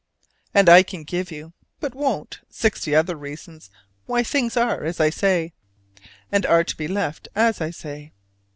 And I can give you, but won't, sixty other reasons why things are as I say, and are to be left as I say.